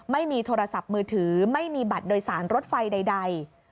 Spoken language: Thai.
ไม่มีโทรศัพท์มือถือไม่มีบัตรโดยสารรถไฟใด